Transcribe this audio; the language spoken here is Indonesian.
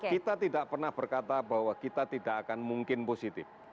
kita tidak pernah berkata bahwa kita tidak akan mungkin positif